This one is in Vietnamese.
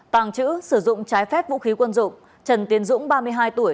tàng trữ sử dụng trái phép vũ khí quân dụng trần tiến dũng ba mươi hai tuổi